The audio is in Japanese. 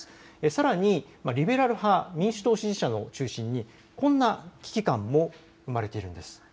さらにリベラル派、民主党支持者を中心にこんな危機感も生まれているんです。